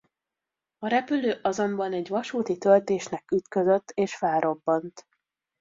A repülő azonban egy vasúti töltésnek ütközött és felrobbant.